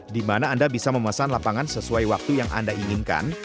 di mana anda bisa memesan lapangan sesuai waktu yang anda inginkan